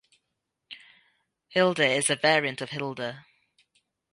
Hilde is a variant of Hilda.